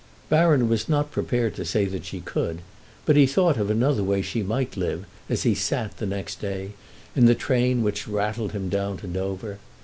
Baron was not prepared to say that she could, but he thought of another way she might live as he sat, the next day, in the train which rattled him down to Dover.